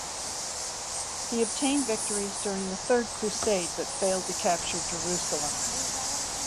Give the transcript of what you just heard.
He obtained victories during the Third Crusade, but failed to capture Jerusalem.